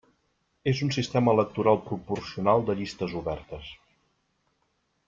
És un sistema electoral proporcional de llistes obertes.